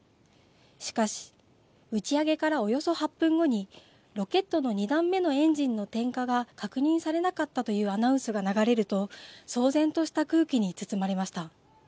しかし打ち上げからおよそ８分後にロケットの２段目のエンジンの点火が確認されなかったというアナウンスが流れると騒然とした空気に包まれました。